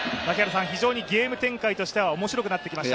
非常にゲーム展開としては面白くなってきました。